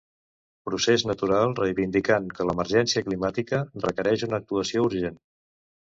Procés natural, reivindicant que l'emergència climàtica requereix una actuació urgent.